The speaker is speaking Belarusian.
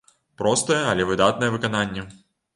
Простае, але выдатнае выкананне.